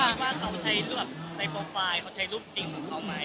แล้วเอ็มมี่คิดว่าเขาใช้เลือกในโปรไฟล์เขาใช้รูปจริงของเขาไหม